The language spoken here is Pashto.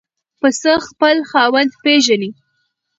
پسه خپل خاوند پېژني.